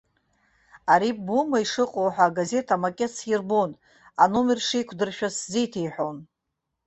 Ари ббома ишыҟоу ҳәа агазеҭ амакет сирбон, аномер шеиқәдыршәоз сзеиҭеиҳәон.